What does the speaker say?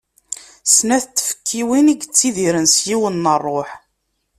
Snat n tfekkiwin yettidiren s yiwen n rruḥ.